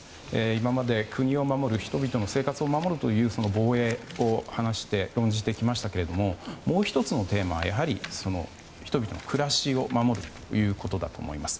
今まで国を守る人々の生活を守るという防衛を話して論じてきましたがもう１つのテーマは、やはり人々の暮らしを守るということだと思います。